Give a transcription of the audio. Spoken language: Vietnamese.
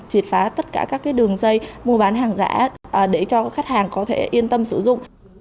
triệt phá tất cả các đường dây mua bán hàng giả để cho khách hàng có thể yên tâm sử dụng